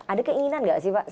ada keinginan nggak sih pak